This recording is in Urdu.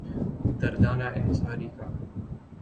دردانہ انصاری کا